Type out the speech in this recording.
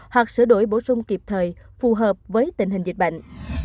hoặc sửa đổi bổ sung kịp thời phù hợp với tình hình dịch bệnh